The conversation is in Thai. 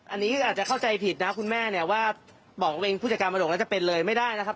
อันนี้อาจจะเข้าใจผิดนะคุณแม่เนี่ยว่าบอกตัวเองผู้จัดการมรดกแล้วจะเป็นเลยไม่ได้นะครับ